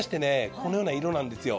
このような色なんですよ。